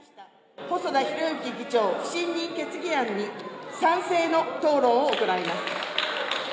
細田博之議長不信任決議案に賛成の討論を行います。